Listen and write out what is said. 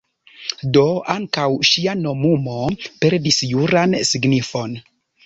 Do ankaŭ ŝia nomumo perdis juran signifon.